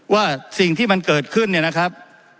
ว่าสิ่งที่มันเกิดขึ้นเนี่ยนะครับ